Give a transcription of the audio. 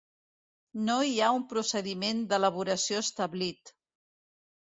No hi ha un procediment d'elaboració establit.